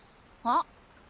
あっ？